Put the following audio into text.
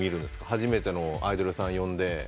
初めてのアイドルさん呼んで。